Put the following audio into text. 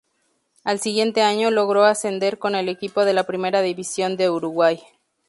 Al siguiente año logró ascender con el equipo a la Primera División de Uruguay.